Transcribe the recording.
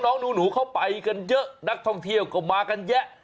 น้องหนูเข้าไปกันเยอะนักท่องเที่ยวก็มากันแยะ